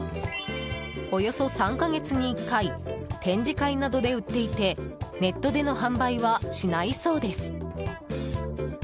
およそ３か月に１回展示会などで売っていてネットでの販売はしないそうです。